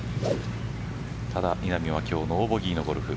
ただ、稲見は今日ノーボギーのゴルフ。